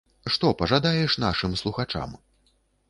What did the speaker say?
Што пажадаеш нашым слухачам?